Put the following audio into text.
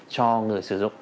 cho người sử dụng